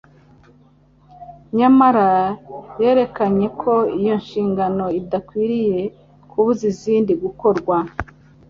nyamara yerekanye ko iyo nshingano idakwiriye kubuza izindi gukorwa.